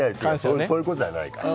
そういうことじゃないから。